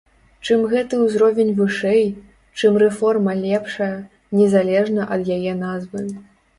Чым гэты ўзровень вышэй, чым рэформа лепшая, незалежна ад яе назвы.